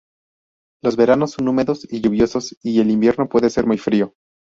Los veranos son húmedos y lluviosos, y el invierno puede ser muy frío.